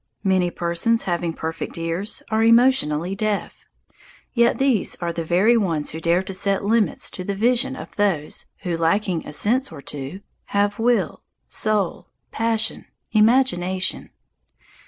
Many persons, having perfect ears, are emotionally deaf. Yet these are the very ones who dare to set limits to the vision of those who, lacking a sense or two, have will, soul, passion, imagination.